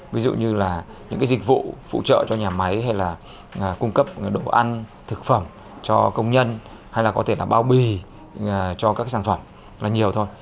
ví dụ như là những cái dịch vụ phụ trợ cho nhà máy hay là cung cấp độ ăn thực phẩm cho công nhân hay là có thể là bao bì cho các sản phẩm là nhiều thôi